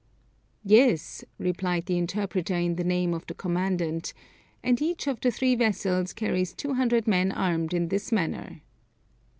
'Yes,' replied the interpreter, in the name of the commandant, 'and each of the three vessels carries 200 men armed in this manner.'"